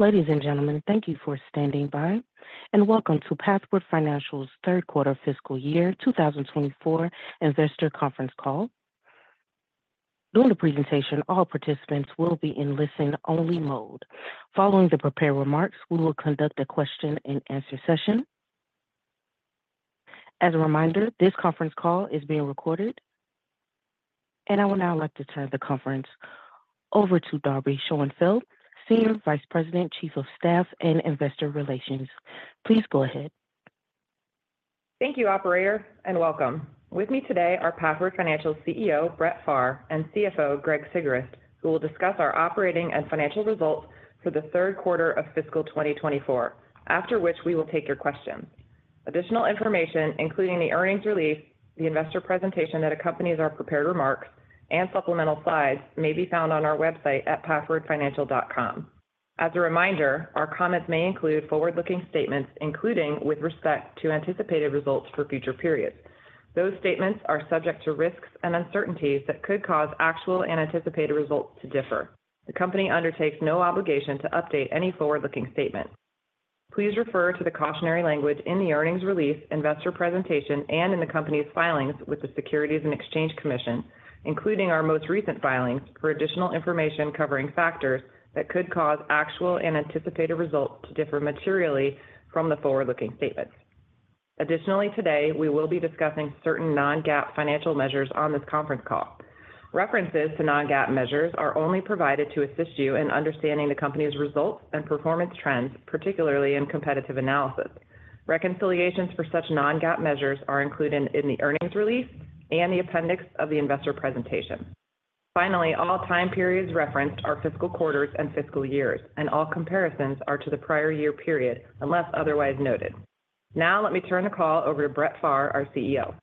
Ladies and gentlemen, thank you for standing by, and welcome to Pathward Financial's Third Quarter Fiscal Year 2024 Investor Conference Call. During the presentation, all participants will be in listen-only mode. Following the prepared remarks, we will conduct a question-and-answer session. As a reminder, this conference call is being recorded, and I would now like to turn the conference over to Darby Schoenfeld, Senior Vice President, Chief of Staff, and Investor Relations. Please go ahead. Thank you, operator, and welcome. With me today are Pathward Financial's CEO, Brett Pharr, and CFO, Greg Sigrist, who will discuss our operating and financial results for the third quarter of fiscal 2024, after which we will take your questions. Additional information, including the earnings release, the investor presentation that accompanies our prepared remarks, and supplemental slides, may be found on our website at pathwardfinancial.com. As a reminder, our comments may include forward-looking statements, including with respect to anticipated results for future periods. Those statements are subject to risks and uncertainties that could cause actual and anticipated results to differ. The company undertakes no obligation to update any forward-looking statement. Please refer to the cautionary language in the earnings release, investor presentation, and in the company's filings with the Securities and Exchange Commission, including our most recent filings, for additional information covering factors that could cause actual and anticipated results to differ materially from the forward-looking statements. Additionally, today, we will be discussing certain non-GAAP financial measures on this conference call. References to non-GAAP measures are only provided to assist you in understanding the company's results and performance trends, particularly in competitive analysis. Reconciliations for such non-GAAP measures are included in the earnings release and the appendix of the investor presentation. Finally, all time periods referenced are fiscal quarters and fiscal years, and all comparisons are to the prior year period unless otherwise noted. Now, let me turn the call over to Brett Pharr, our CEO.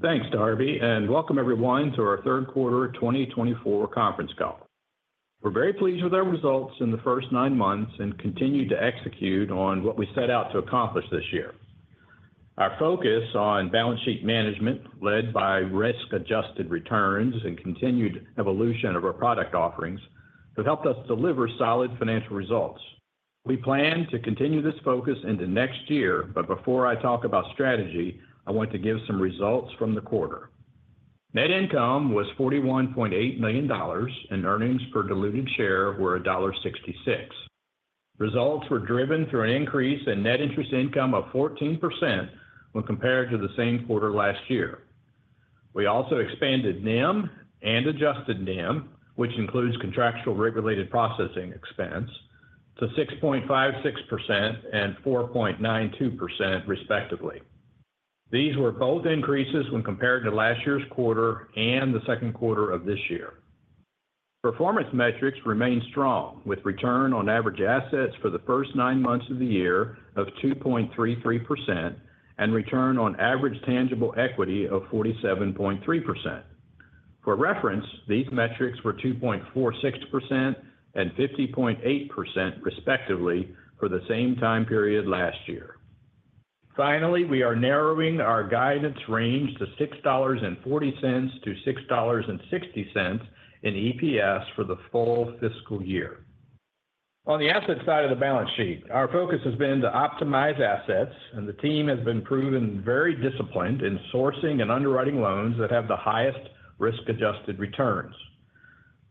Thanks, Darby, and welcome everyone to our Third Quarter 2024 Conference Call. We're very pleased with our results in the first nine months and continue to execute on what we set out to accomplish this year. Our focus on balance sheet management, led by risk-adjusted returns and continued evolution of our product offerings, has helped us deliver solid financial results. We plan to continue this focus into next year, but before I talk about strategy, I want to give some results from the quarter. Net income was $41.8 million, and earnings per diluted share were $1.66. Results were driven through an increase in net interest income of 14% when compared to the same quarter last year. We also expanded NIM and adjusted NIM, which includes contractual regulated processing expense, to 6.56% and 4.92%, respectively. These were both increases when compared to last year's quarter and the second quarter of this year. Performance metrics remained strong, with return on average assets for the first nine months of the year of 2.33% and return on average tangible equity of 47.3%. For reference, these metrics were 2.46% and 50.8%, respectively, for the same time period last year. Finally, we are narrowing our guidance range to $6.40-$6.60 in EPS for the full fiscal year. On the asset side of the balance sheet, our focus has been to optimize assets, and the team has been proven very disciplined in sourcing and underwriting loans that have the highest risk-adjusted returns.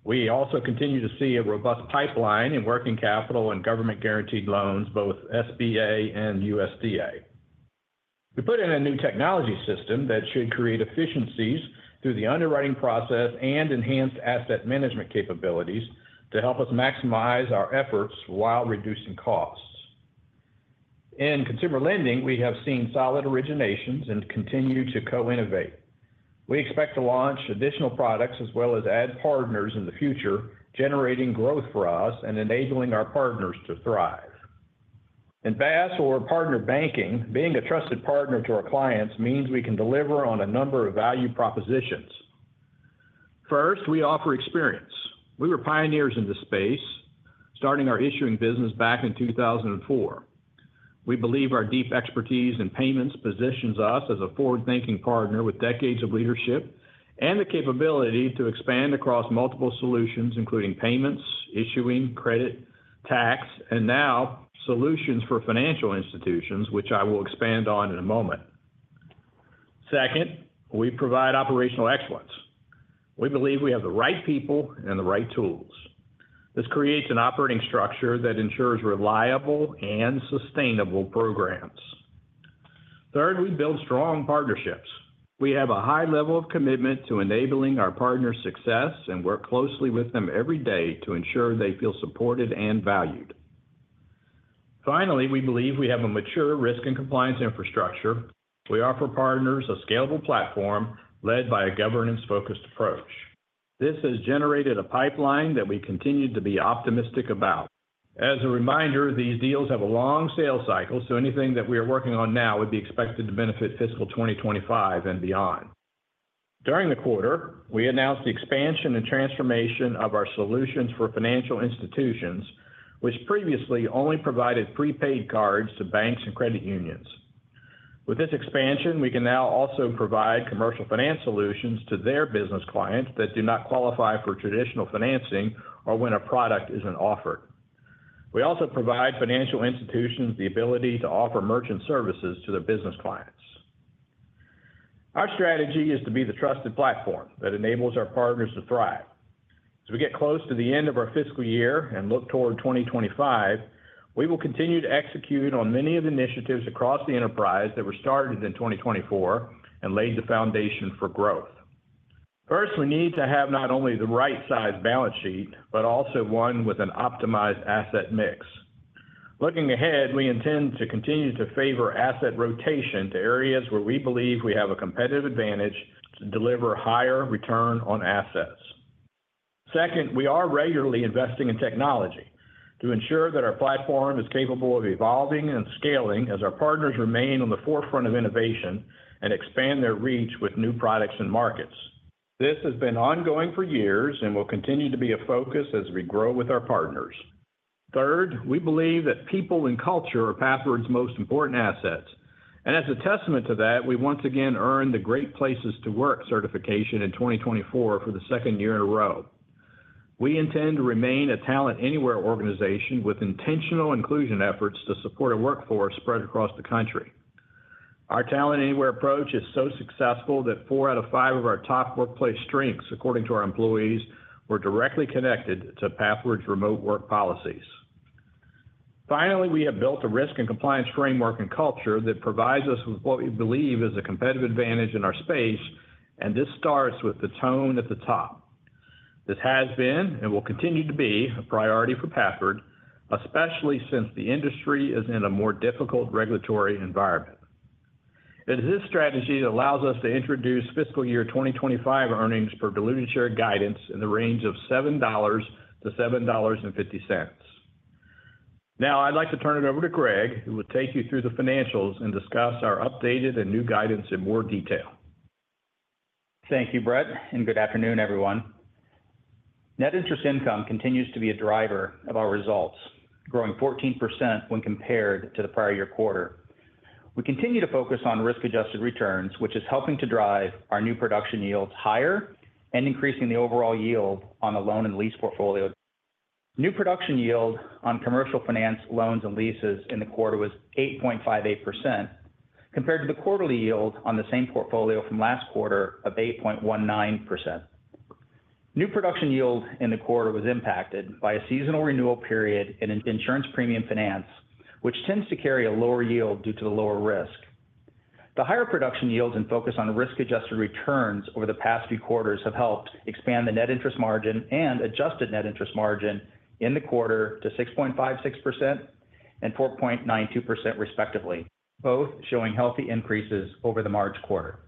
We also continue to see a robust pipeline in working capital and government-guaranteed loans, both SBA and USDA. We put in a new technology system that should create efficiencies through the underwriting process and enhanced asset management capabilities to help us maximize our efforts while reducing costs. In consumer lending, we have seen solid originations and continue to co-innovate. We expect to launch additional products as well as add partners in the future, generating growth for us and enabling our partners to thrive. In BaaS, our partner banking, being a trusted partner to our clients, means we can deliver on a number of value propositions. First, we offer experience. We were pioneers in this space, starting our issuing business back in 2004. We believe our deep expertise in payments positions us as a forward-thinking partner with decades of leadership and the capability to expand across multiple solutions, including payments, issuing, credit, tax, and now Solutions for Financial Institutions, which I will expand on in a moment. Second, we provide operational excellence. We believe we have the right people and the right tools. This creates an operating structure that ensures reliable and sustainable programs. Third, we build strong partnerships. We have a high level of commitment to enabling our partners' success and work closely with them every day to ensure they feel supported and valued. Finally, we believe we have a mature risk and compliance infrastructure. We offer partners a scalable platform led by a governance-focused approach. This has generated a pipeline that we continue to be optimistic about. As a reminder, these deals have a long sales cycle, so anything that we are working on now would be expected to benefit fiscal 2025 and beyond. During the quarter, we announced the expansion and transformation of our Solutions for Financial Institutions, which previously only provided prepaid cards to banks and credit unions. With this expansion, we can now also provide commercial finance solutions to their business clients that do not qualify for traditional financing or when a product isn't offered. We also provide financial institutions the ability to offer merchant services to their business clients. Our strategy is to be the trusted platform that enables our partners to thrive. As we get close to the end of our fiscal year and look toward 2025, we will continue to execute on many of the initiatives across the enterprise that were started in 2024 and laid the foundation for growth. First, we need to have not only the right-sized balance sheet, but also one with an optimized asset mix. Looking ahead, we intend to continue to favor asset rotation to areas where we believe we have a competitive advantage to deliver higher return on assets. Second, we are regularly investing in technology to ensure that our platform is capable of evolving and scaling as our partners remain on the forefront of innovation and expand their reach with new products and markets. This has been ongoing for years and will continue to be a focus as we grow with our partners. Third, we believe that people and culture are Pathward's most important assets. As a testament to that, we once again earned the Great Place to Work certification in 2024 for the second year in a row. We intend to remain a Talent Anywhere organization with intentional inclusion efforts to support a workforce spread across the country. Our Talent Anywhere approach is so successful that four out of five of our top workplace strengths, according to our employees, were directly connected to Pathward's remote work policies. Finally, we have built a risk and compliance framework and culture that provides us with what we believe is a competitive advantage in our space, and this starts with the tone at the top. This has been and will continue to be a priority for Pathward, especially since the industry is in a more difficult regulatory environment. It is this strategy that allows us to introduce fiscal year 2025 earnings per diluted share guidance in the range of $7.00 to $7.50. Now, I'd like to turn it over to Greg, who will take you through the financials and discuss our updated and new guidance in more detail. Thank you, Brett, and good afternoon, everyone. Net interest income continues to be a driver of our results, growing 14% when compared to the prior year quarter. We continue to focus on risk-adjusted returns, which is helping to drive our new production yields higher and increasing the overall yield on the loan and lease portfolio. New production yield on commercial finance loans and leases in the quarter was 8.58%, compared to the quarterly yield on the same portfolio from last quarter of 8.19%. New production yield in the quarter was impacted by a seasonal renewal period in insurance premium finance, which tends to carry a lower yield due to the lower risk. The higher production yields and focus on risk-adjusted returns over the past few quarters have helped expand the net interest margin and adjusted net interest margin in the quarter to 6.56% and 4.92%, respectively, both showing healthy increases over the March quarter.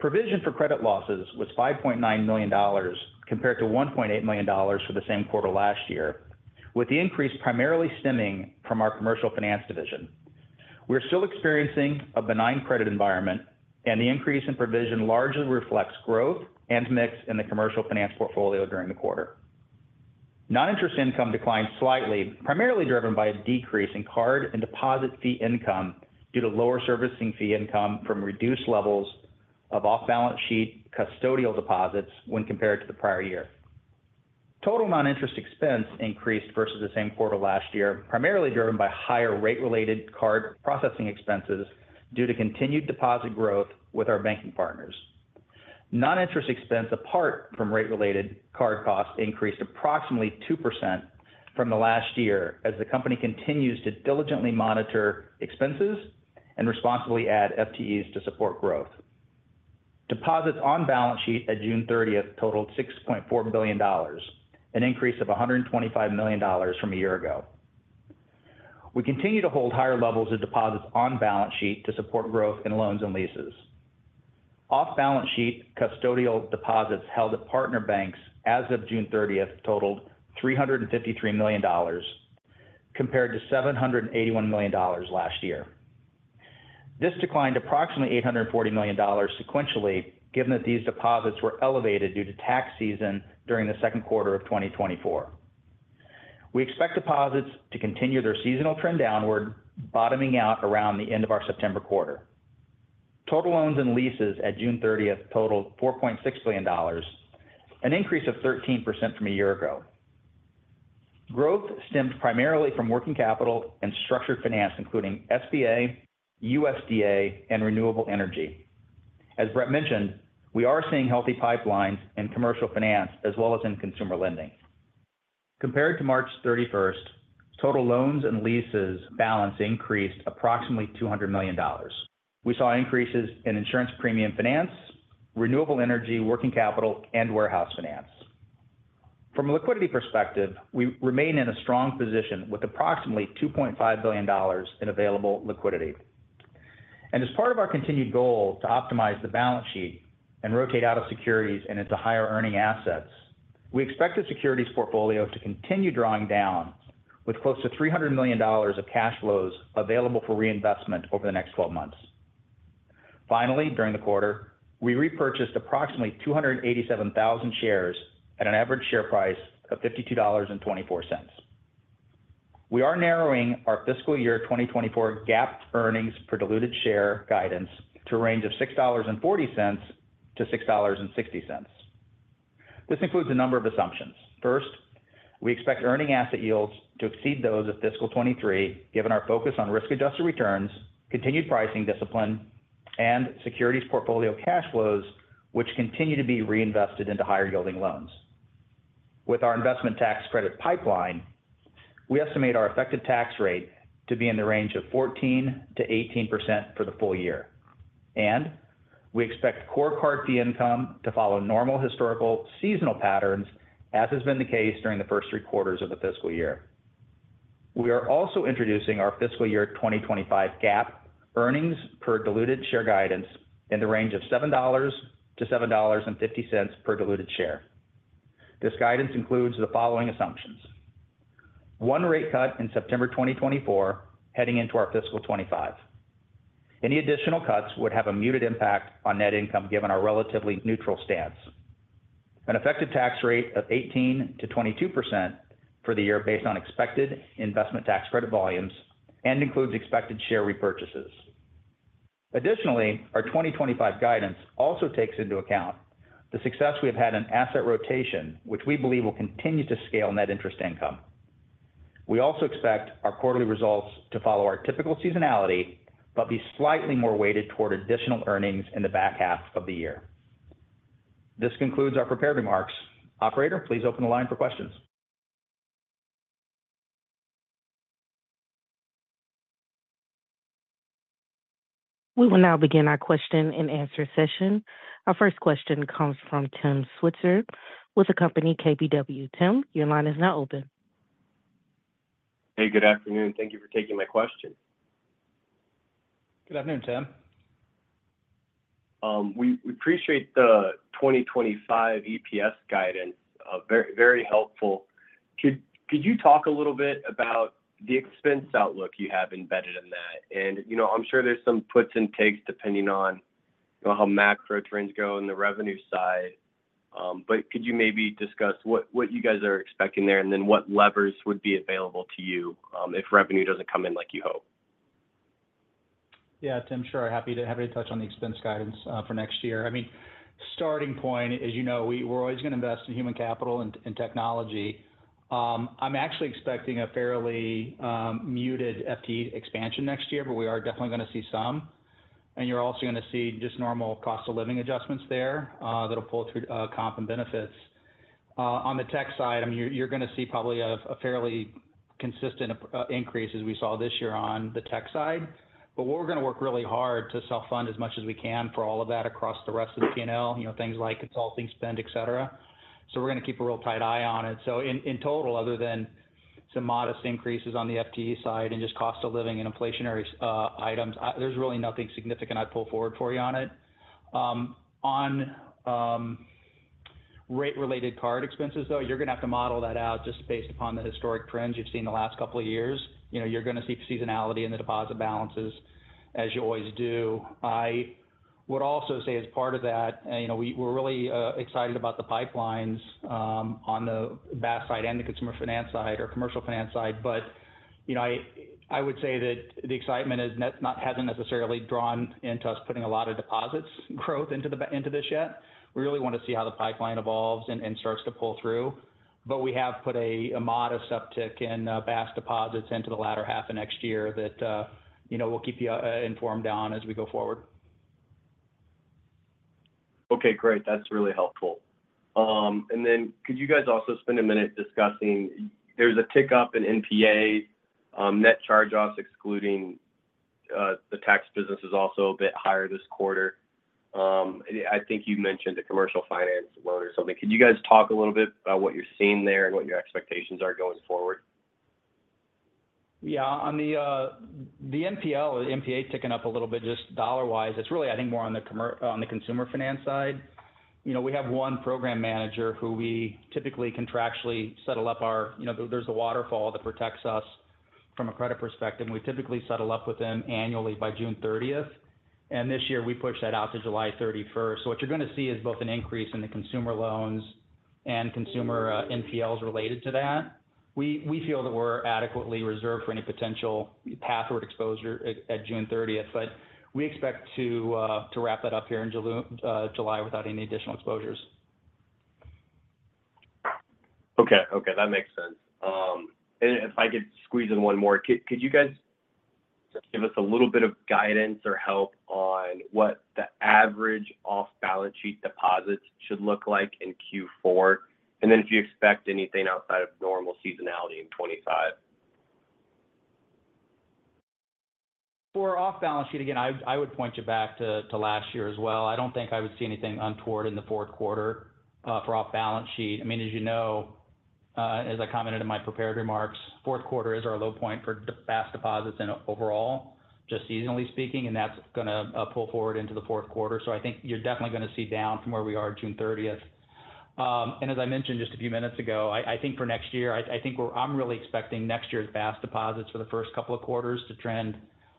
Provision for credit losses was $5.9 million, compared to $1.8 million for the same quarter last year, with the increase primarily stemming from our Commercial Finance division. We're still experiencing a benign credit environment, and the increase in provision largely reflects growth and mix in the Commercial Finance portfolio during the quarter. Non-interest income declined slightly, primarily driven by a decrease in card and deposit fee income due to lower servicing fee income from reduced levels of off-balance sheet custodial deposits when compared to the prior year. Total non-interest expense increased versus the same quarter last year, primarily driven by higher rate-related card processing expenses due to continued deposit growth with our banking partners. Non-interest expense, apart from rate-related card costs, increased approximately 2% from the last year as the company continues to diligently monitor expenses and responsibly add FTEs to support growth. Deposits on balance sheet at June 30 totaled $6.4 billion, an increase of $125 million from a year ago. We continue to hold higher levels of deposits on balance sheet to support growth in loans and leases. Off-balance sheet custodial deposits held at partner banks as of June 30 totaled $353 million, compared to $781 million last year. This declined approximately $840 million sequentially, given that these deposits were elevated due to tax season during the second quarter of 2024. We expect deposits to continue their seasonal trend downward, bottoming out around the end of our September quarter. Total loans and leases at June 30 totaled $4.6 billion, an increase of 13% from a year ago. Growth stemmed primarily from working capital and structured finance, including SBA, USDA, and renewable energy. As Brett mentioned, we are seeing healthy pipelines in commercial finance as well as in consumer lending. Compared to March 31, total loans and leases balance increased approximately $200 million. We saw increases in insurance premium finance, renewable energy, working capital, and warehouse finance. From a liquidity perspective, we remain in a strong position with approximately $2.5 billion in available liquidity. As part of our continued goal to optimize the balance sheet and rotate out of securities and into higher-earning assets, we expect the securities portfolio to continue drawing down with close to $300 million of cash flows available for reinvestment over the next 12 months. Finally, during the quarter, we repurchased approximately 287,000 shares at an average share price of $52.24. We are narrowing our fiscal year 2024 GAAP earnings per diluted share guidance to a range of $6.40 to $6.60. This includes a number of assumptions. First, we expect earning asset yields to exceed those of fiscal 2023, given our focus on risk-adjusted returns, continued pricing discipline, and securities portfolio cash flows, which continue to be reinvested into higher-yielding loans. With our investment tax credit pipeline, we estimate our effective tax rate to be in the range of 14% to 18% for the full year. We expect core card fee income to follow normal historical seasonal patterns, as has been the case during the first three quarters of the fiscal year. We are also introducing our fiscal year 2025 GAAP earnings per diluted share guidance in the range of $7.00 to $7.50 per diluted share. This guidance includes the following assumptions: one rate cut in September 2024 heading into our fiscal 2025. Any additional cuts would have a muted impact on net income, given our relatively neutral stance. An effective tax rate of 18%-22% for the year based on expected investment tax credit volumes and includes expected share repurchases. Additionally, our 2025 guidance also takes into account the success we have had in asset rotation, which we believe will continue to scale net interest income. We also expect our quarterly results to follow our typical seasonality but be slightly more weighted toward additional earnings in the back half of the year. This concludes our prepared remarks. Operator, please open the line for questions. We will now begin our question and answer session. Our first question comes from Tim Switzer with the company KBW. Tim, your line is now open. Hey, good afternoon. Thank you for taking my question. Good afternoon, Tim. We appreciate the 2025 EPS guidance. Very helpful. Could you talk a little bit about the expense outlook you have embedded in that? I'm sure there's some puts and takes depending on how macro trends go on the revenue side. Could you maybe discuss what you guys are expecting there and then what levers would be available to you if revenue doesn't come in like you hope? Yeah, Tim, sure. Happy to touch on the expense guidance for next year. I mean, starting point, as you know, we're always going to invest in human capital and technology. I'm actually expecting a fairly muted FTE expansion next year, but we are definitely going to see some. And you're also going to see just normal cost of living adjustments there that'll pull through comp and benefits. On the tech side, I mean, you're going to see probably a fairly consistent increase as we saw this year on the tech side. But we're going to work really hard to self-fund as much as we can for all of that across the rest of the P&L, things like consulting spend, etc. So we're going to keep a real tight eye on it. So in total, other than some modest increases on the FTE side and just cost of living and inflationary items, there's really nothing significant I'd pull forward for you on it. On rate-related card expenses, though, you're going to have to model that out just based upon the historic trends you've seen the last couple of years. You're going to see seasonality in the deposit balances as you always do. I would also say as part of that, we're really excited about the pipelines on the BaaS side and the consumer finance side or commercial finance side. But I would say that the excitement hasn't necessarily drawn into us putting a lot of deposits growth into this yet. We really want to see how the pipeline evolves and starts to pull through. But we have put a modest uptick in BaaS deposits into the latter half of next year that we'll keep you informed on as we go forward. Okay, great. That's really helpful. And then could you guys also spend a minute discussing there's a tick up in NPA, net charge-offs excluding the tax business is also a bit higher this quarter. I think you mentioned a commercial finance loan or something. Could you guys talk a little bit about what you're seeing there and what your expectations are going forward? Yeah, on the NPL, NPA ticking up a little bit just dollar-wise, it's really, I think, more on the consumer finance side. We have one program manager who we typically contractually settle up. There's a waterfall that protects us from a credit perspective. We typically settle up with them annually by June 30. This year, we pushed that out to July 31. So what you're going to see is both an increase in the consumer loans and consumer NPLs related to that. We feel that we're adequately reserved for any potential Pathward exposure at June 30, but we expect to wrap that up here in July without any additional exposures. Okay, okay. That makes sense. If I could squeeze in one more, could you guys give us a little bit of guidance or help on what the average off-balance sheet deposits should look like in Q4? And then if you expect anything outside of normal seasonality in 2025? For off-balance sheet, again, I would point you back to last year as well. I don't think I would see anything untoward in the fourth quarter for off-balance sheet. I mean, as you know, as I commented in my prepared remarks, fourth quarter is our low point for BaaS deposits overall, just seasonally speaking, and that's going to pull forward into the fourth quarter. So I think you're definitely going to see down from where we are June 30. And as I mentioned just a few minutes ago, I think for next year, I think I'm really expecting next year's BaaS deposits for the first couple of quarters to trend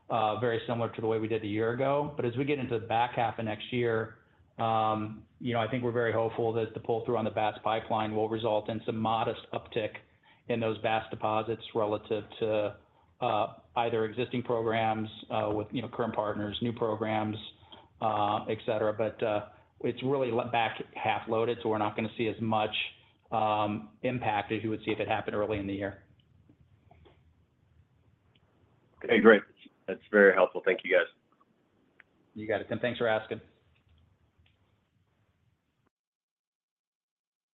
very similar to the way we did the year ago. But as we get into the back half of next year, I think we're very hopeful that the pull-through on the BaaS pipeline will result in some modest uptick in those BaaS deposits relative to either existing programs with current partners, new programs, etc. But it's really back half loaded, so we're not going to see as much impact as you would see if it happened early in the year. Okay, great. That's very helpful. Thank you, guys. You got it, Tim. Thanks for asking.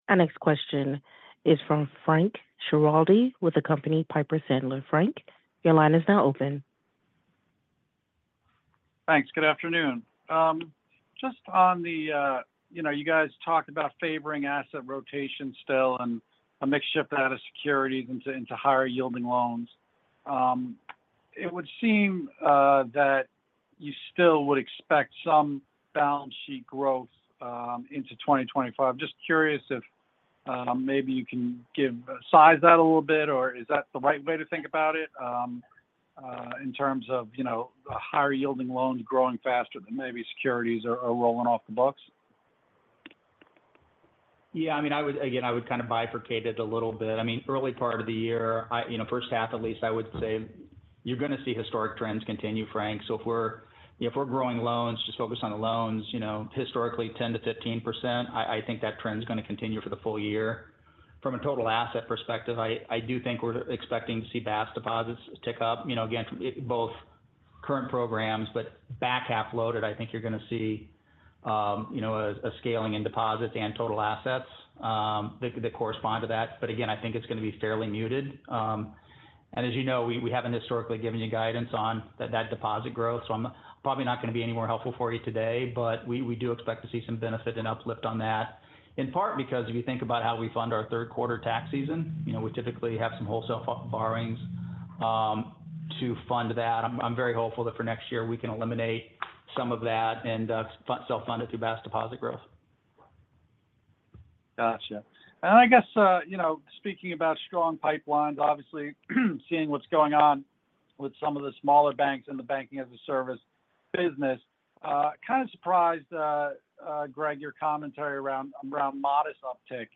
Our next question is from Frank Schiraldi with the company Piper Sandler. Frank, your line is now open. Thanks. Good afternoon. Just on the, you guys talked about favoring asset rotation still and a mixture of that as securities into higher-yielding loans. It would seem that you still would expect some balance sheet growth into 2025. Just curious if maybe you can size that a little bit, or is that the right way to think about it in terms of higher-yielding loans growing faster than maybe securities are rolling off the books? Yeah, I mean, again, I would kind of bifurcate it a little bit. I mean, early part of the year, first half at least, I would say you're going to see historic trends continue, Frank. So if we're growing loans, just focus on the loans, historically 10% to 15%, I think that trend is going to continue for the full year. From a total asset perspective, I do think we're expecting to see BaaS deposits tick up, again, both current programs, but back half loaded, I think you're going to see a scaling in deposits and total assets that correspond to that. But again, I think it's going to be fairly muted. And as you know, we haven't historically given you guidance on that deposit growth. I'm probably not going to be any more helpful for you today, but we do expect to see some benefit and uplift on that, in part because if you think about how we fund our third quarter tax season, we typically have some wholesale borrowings to fund that. I'm very hopeful that for next year we can eliminate some of that and self-fund it through BaaS deposit growth. Gotcha. And I guess speaking about strong pipelines, obviously seeing what's going on with some of the smaller banks and the banking as a service business, kind of surprised, Greg, your commentary around modest uptick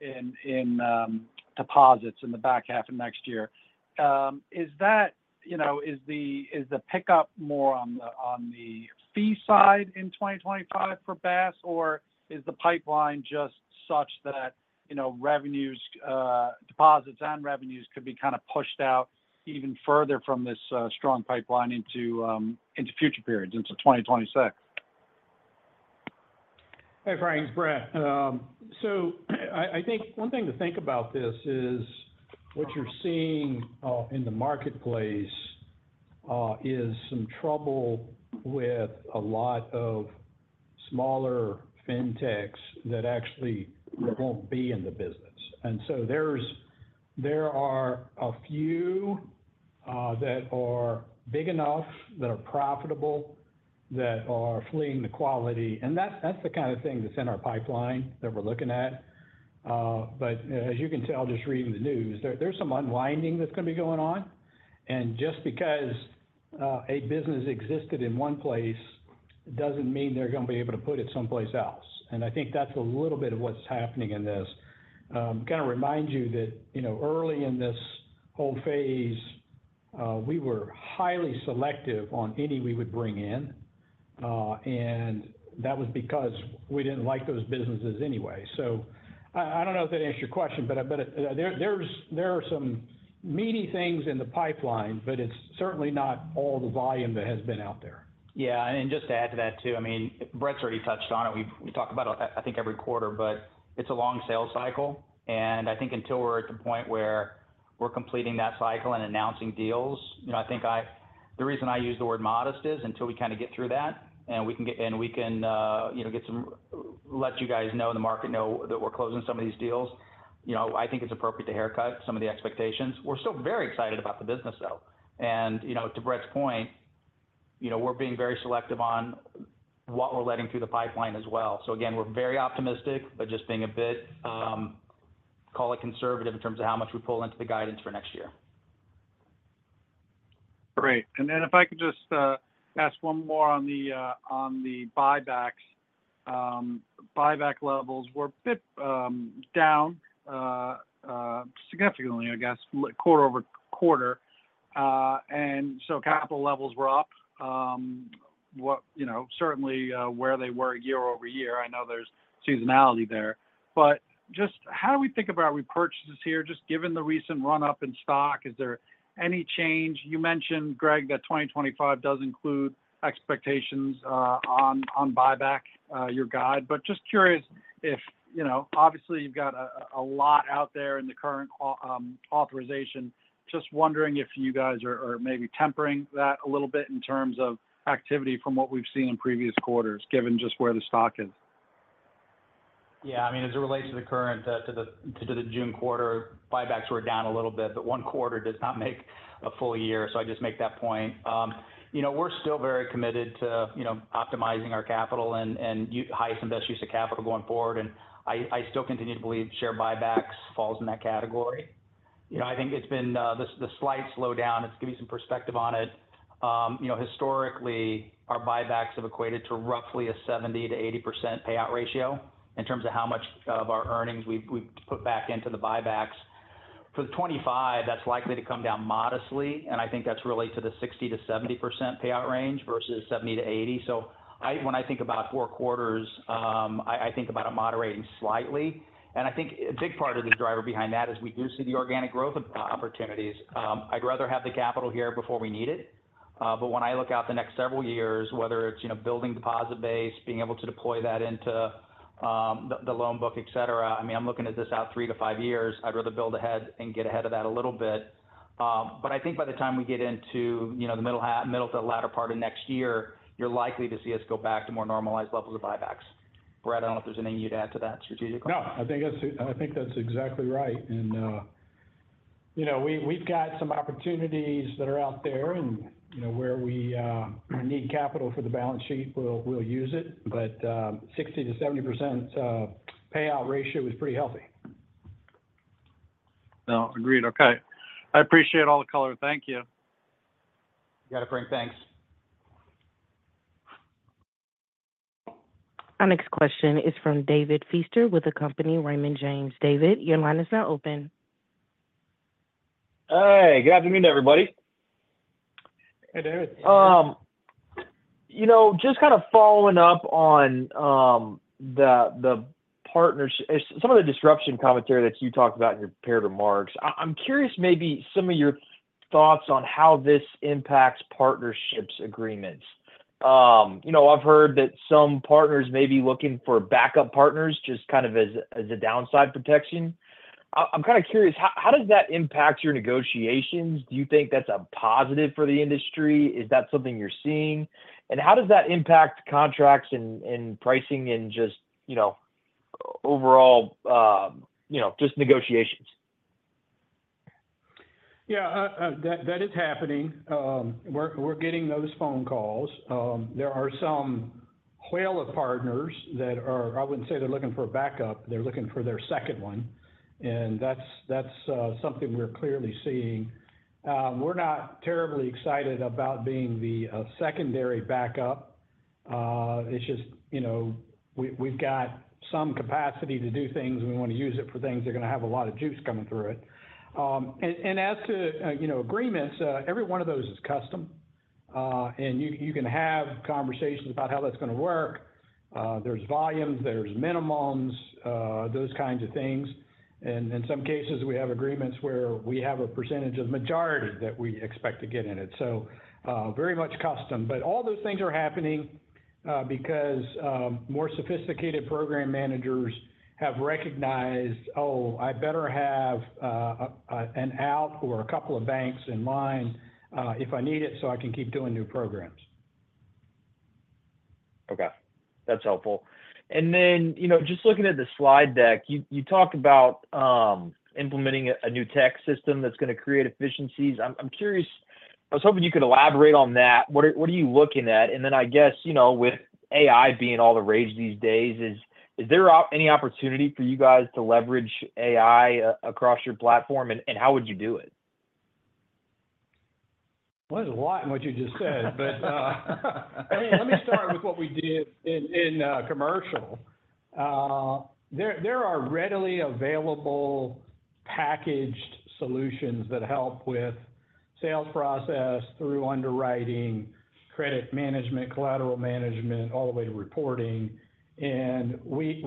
in deposits in the back half of next year. Is the pickup more on the fee side in 2025 for BaaS, or is the pipeline just such that deposits and revenues could be kind of pushed out even further from this strong pipeline into future periods, into 2026? Hey, Frank, it's Brett. So I think one thing to think about this is what you're seeing in the marketplace is some trouble with a lot of smaller fintechs that actually won't be in the business. And so there are a few that are big enough, that are profitable, that are fleeing the quality. And that's the kind of thing that's in our pipeline that we're looking at. But as you can tell just reading the news, there's some unwinding that's going to be going on. And just because a business existed in one place doesn't mean they're going to be able to put it someplace else. And I think that's a little bit of what's happening in this. Kind of remind you that early in this whole phase, we were highly selective on any we would bring in. And that was because we didn't like those businesses anyway. So I don't know if that answers your question, but there are some meaty things in the pipeline, but it's certainly not all the volume that has been out there. Yeah. And just to add to that too, I mean, Brett's already touched on it. We talk about it, I think, every quarter, but it's a long sales cycle. And I think until we're at the point where we're completing that cycle and announcing deals, I think the reason I use the word modest is until we kind of get through that and we can let you guys know in the market know that we're closing some of these deals, I think it's appropriate to haircut some of the expectations. We're still very excited about the business, though. And to Brett's point, we're being very selective on what we're letting through the pipeline as well. So again, we're very optimistic, but just being a bit, call it conservative in terms of how much we pull into the guidance for next year. Great. And then if I could just ask one more on the buyback levels. We're a bit down significantly, I guess, quarter-over-quarter. And so capital levels were up, certainly where they were year-over-year. I know there's seasonality there. But just how do we think about repurchases here? Just given the recent run-up in stock, is there any change? You mentioned, Greg, that 2025 does include expectations on buyback, your guide. But just curious if obviously you've got a lot out there in the current authorization. Just wondering if you guys are maybe tempering that a little bit in terms of activity from what we've seen in previous quarters, given just where the stock is. Yeah. I mean, as it relates to the current, to the June quarter, buybacks were down a little bit, but one quarter does not make a full year. So I just make that point. We're still very committed to optimizing our capital and highest and best use of capital going forward. And I still continue to believe share buybacks falls in that category. I think it's been the slight slowdown. It's given me some perspective on it. Historically, our buybacks have equated to roughly a 70% to 80% payout ratio in terms of how much of our earnings we've put back into the buybacks. For 2025, that's likely to come down modestly. And I think that's really to the 60% to 70% payout range versus 70% to 80%. So when I think about four quarters, I think about it moderating slightly. And I think a big part of the driver behind that is we do see the organic growth opportunities. I'd rather have the capital here before we need it. But when I look out the next several years, whether it's building deposit base, being able to deploy that into the loan book, etc., I mean, I'm looking at this out 3-5 years. I'd rather build ahead and get ahead of that a little bit. But I think by the time we get into the middle to latter part of next year, you're likely to see us go back to more normalized levels of buybacks. Brett, I don't know if there's anything you'd add to that strategically. No, I think that's exactly right. We've got some opportunities that are out there. Where we need capital for the balance sheet, we'll use it. But 60%-70% payout ratio is pretty healthy. No, agreed. Okay. I appreciate all the color. Thank you. Got it, Frank. Thanks. Our next question is from David Feaster with the company Raymond James. David, your line is now open. Hey, good afternoon, everybody. Hey, David. Just kind of following up on some of the disruption commentary that you talked about in your prepared remarks, I'm curious maybe some of your thoughts on how this impacts partnership agreements. I've heard that some partners may be looking for backup partners just kind of as a downside protection. I'm kind of curious, how does that impact your negotiations? Do you think that's a positive for the industry? Is that something you're seeing? And how does that impact contracts and pricing and just overall just negotiations? Yeah, that is happening. We're getting those phone calls. There are some whale of partners that are, I wouldn't say, they're looking for a backup. They're looking for their second one. And that's something we're clearly seeing. We're not terribly excited about being the secondary backup. It's just we've got some capacity to do things. We want to use it for things. They're going to have a lot of juice coming through it. And as to agreements, every one of those is custom. And you can have conversations about how that's going to work. There's volumes. There's minimums, those kinds of things. And in some cases, we have agreements where we have a percentage of the majority that we expect to get in it. So very much custom. But all those things are happening because more sophisticated program managers have recognized, "Oh, I better have an out or a couple of banks in line if I need it so I can keep doing new programs. Okay. That's helpful. And then just looking at the slide deck, you talked about implementing a new tech system that's going to create efficiencies. I'm curious, I was hoping you could elaborate on that. What are you looking at? And then I guess with AI being all the rage these days, is there any opportunity for you guys to leverage AI across your platform? And how would you do it? Well, there's a lot in what you just said. But let me start with what we did in Commercial. There are readily available packaged solutions that help with sales process through underwriting, credit management, collateral management, all the way to reporting. And we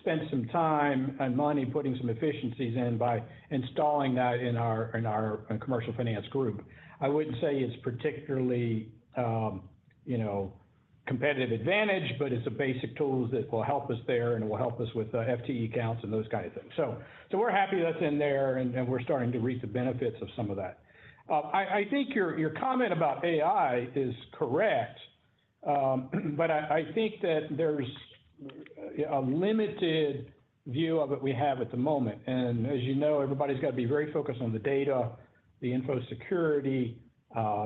spent some time and money putting some efficiencies in by installing that in our Commercial Finance group. I wouldn't say it's particularly competitive advantage, but it's a basic tool that will help us there and will help us with FTE counts and those kinds of things. So we're happy that's in there, and we're starting to reap the benefits of some of that. I think your comment about AI is correct, but I think that there's a limited view of it we have at the moment. And as you know, everybody's got to be very focused on the data, the infosecurity,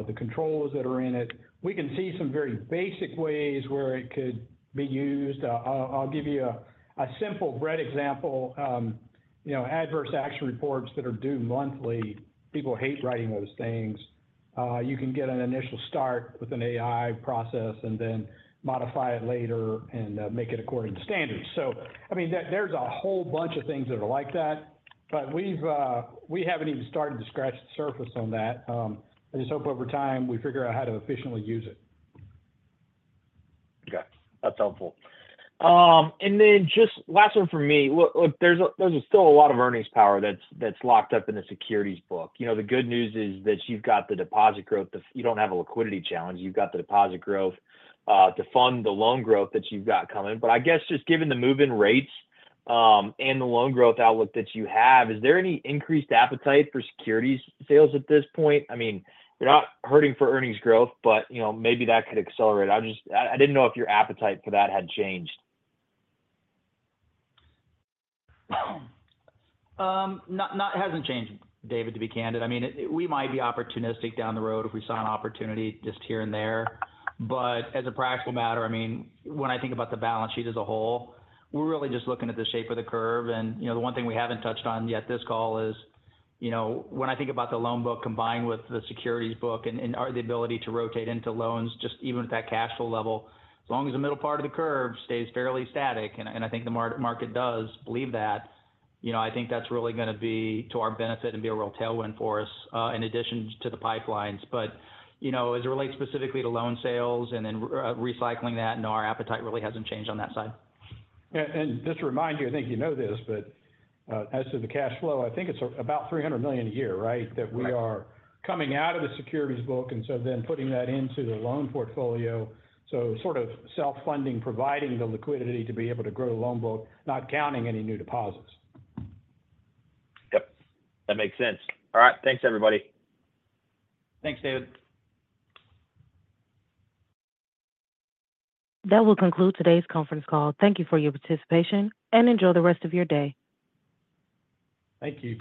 the controls that are in it. We can see some very basic ways where it could be used. I'll give you a simple broad example. Adverse action reports that are due monthly. People hate writing those things. You can get an initial start with an AI process and then modify it later and make it according to standards. So I mean, there's a whole bunch of things that are like that, but we haven't even started to scratch the surface on that. I just hope over time we figure out how to efficiently use it. Okay. That's helpful. And then just last one for me. Look, there's still a lot of earnings power that's locked up in the securities book. The good news is that you've got the deposit growth. You don't have a liquidity challenge. You've got the deposit growth to fund the loan growth that you've got coming. But I guess just given the move-in rates and the loan growth outlook that you have, is there any increased appetite for securities sales at this point? I mean, you're not hurting for earnings growth, but maybe that could accelerate. I didn't know if your appetite for that had changed. It hasn't changed, David, to be candid. I mean, we might be opportunistic down the road if we saw an opportunity just here and there. But as a practical matter, I mean, when I think about the balance sheet as a whole, we're really just looking at the shape of the curve. And the one thing we haven't touched on yet this call is when I think about the loan book combined with the securities book and the ability to rotate into loans, just even with that cash flow level, as long as the middle part of the curve stays fairly static, and I think the market does believe that, I think that's really going to be to our benefit and be a real tailwind for us in addition to the pipelines. But as it relates specifically to loan sales and then recycling that, no, our appetite really hasn't changed on that side. Just to remind you, I think you know this, but as to the cash flow, I think it's about $300 million a year, right, that we are coming out of the securities book and so then putting that into the loan portfolio. So sort of self-funding, providing the liquidity to be able to grow the loan book, not counting any new deposits. Yep. That makes sense. All right. Thanks, everybody. Thanks, David. That will conclude today's conference call. Thank you for your participation and enjoy the rest of your day. Thank you.